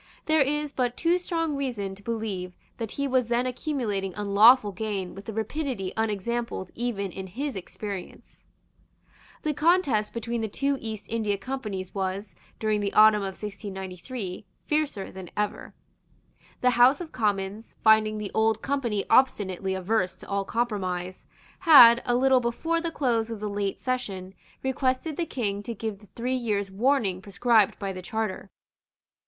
There is but too strong reason to believe that he was then accumulating unlawful gain with a rapidity unexampled even in his experience. The contest between the two East India Companies was, during the autumn of 1693, fiercer than ever. The House of Commons, finding the Old Company obstinately averse to all compromise, had, a little before the close of the late session, requested the King to give the three years' warning prescribed by the Charter.